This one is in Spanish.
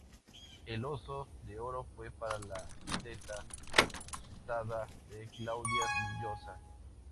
El Oso de oro fue para La teta asustada de Claudia Llosa.